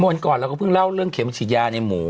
มงวลก่อนเราก็พึ่งเล่าว่าเขียนมาเชียอย่างไร